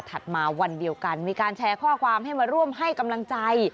มาวันเดียวกันมีการแชร์ข้อความให้มาร่วมให้กำลังใจ